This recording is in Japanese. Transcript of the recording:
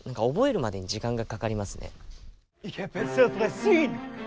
覚えるまでに時間がかかりますね。